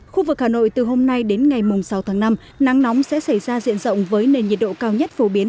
khu vực hà nội từ hôm nay đến ngày sáu tháng năm nắng nóng sẽ xảy ra diện rộng với nền nhiệt độ cao nhất phổ biến